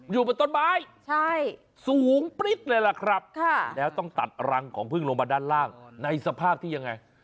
อยู่บนต้นไม้สูงปริ๊ดเลยล่ะครับแล้วต้องตัดรังของพึ่งลงมาด้านล่างในสภาพที่ยังไง